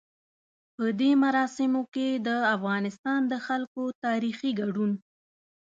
په دې مراسمو کې د افغانستان د خلکو تاريخي ګډون.